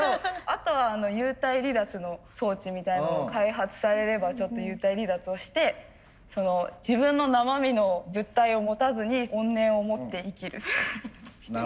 あとは幽体離脱の装置みたいなのを開発されればちょっと幽体離脱をして自分の生身の物体を持たずに怨念を持って生きるみたいな。